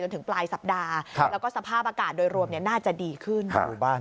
ถึงปลายสัปดาห์แล้วก็สภาพอากาศโดยรวมน่าจะดีขึ้น